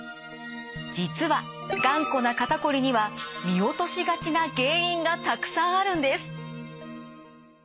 実はがんこな肩こりには見落としがちな原因がたくさんあるんです。